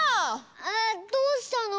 あっどうしたの？